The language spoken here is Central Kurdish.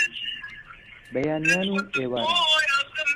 بەیانیان و ئێواران